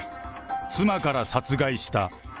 妻から殺害した。